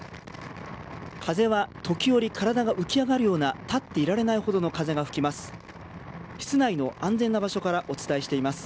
風は時折体が浮き上がるような、立っていられないほどの風が吹きます。